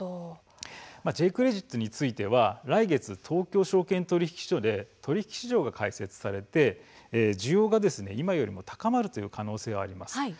Ｊ−クレジットについては、来月東京証券取引所で取引市場が開設されて、今よりも需要が高まる可能性はあります。